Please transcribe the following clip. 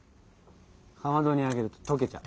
かまどにあげるととけちゃう。